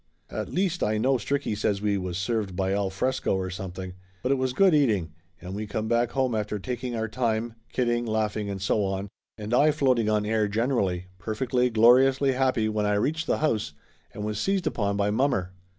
At least I know Stricky says we was served by Al Fresco or something, but it was good eating, and we come back home after taking our time, kidding, laughing, and so on, and I Laughter Limited 229 floating on air generally, perfectly gloriously happy when I reached the house and was seized upon by mommer.